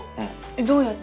どうやって？